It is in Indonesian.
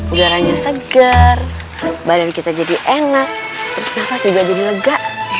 udaranya segar badan kita jadi enak terus nafas juga jadi lega